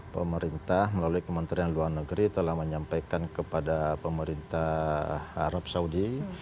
pemerintah melalui kementerian luar negeri telah menyampaikan kepada pemerintah arab saudi